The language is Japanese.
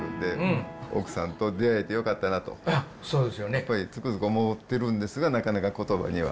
やっぱりつくづく思ってるんですがなかなか言葉には。